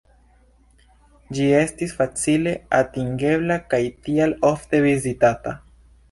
Ĝi estis facile atingebla kaj tial ofte vizitata.